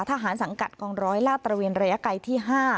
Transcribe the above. ทหารสังกัดกองร้อยราชตระเวียนระยะไกรที่ห้า